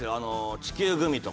地球グミとか。